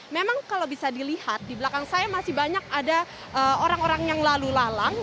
memang kalau bisa dilihat di belakang saya masih banyak ada orang orang yang lalu lalang